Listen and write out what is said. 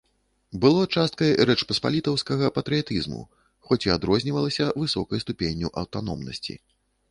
Было часткай рэчпаспалітаўскага патрыятызму, хоць і адрознівалася высокай ступенню аўтаномнасці.